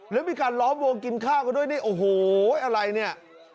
แล้วมีการล้อมวงกินข้าวกันด้วยนี่โอ้โหอะไรเนี่ย